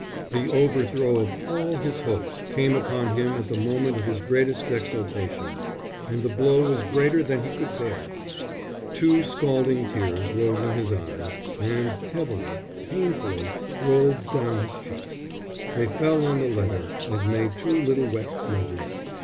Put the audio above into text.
The overthrow of all his hopes came upon him at the moment of his greatest exultation, and the blow was greater than he could bear; two scalding tears rose in his eyes, and heavily, painfully, rolled down his cheeks. They fell on the letter and made two little wet smudges.